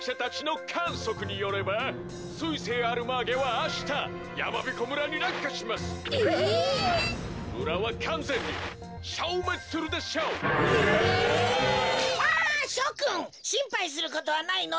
あしょくんしんぱいすることはないのだ。